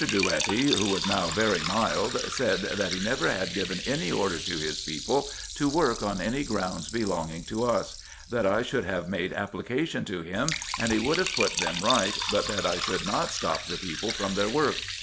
Drouetti, who was now very mild, said, that he never had given any order to his people to work on any grounds belonging to vis ; that I should have made application to him, and he would have put them right , but that I should not stop the people from their work.